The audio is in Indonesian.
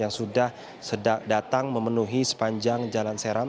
yang sudah datang memenuhi sepanjang jalan seram